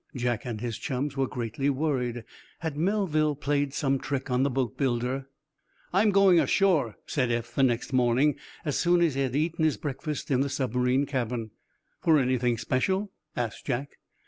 Jack and his chums were greatly worried. Had Melville played some trick on the boatbuilder? "I'm going ashore," said Eph the next morning, as soon as he had eaten his breakfast in the submarine cabin. "For anything especial?" asked Jack.